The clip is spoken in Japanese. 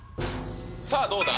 さあ、どうだ。